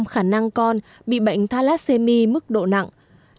hai mươi năm khả năng con bị bệnh thalassemi mức độ nặng